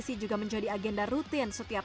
hal itu juga bisa diperhatikan di media sosial